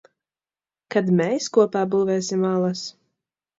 Kad mēs kopā būvēsim alas?